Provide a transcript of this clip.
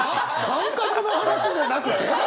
感覚の話じゃなくて？